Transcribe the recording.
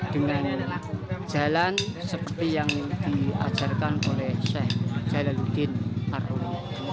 dengan jalan seperti yang diajarkan oleh sheikh jalaluddin arwin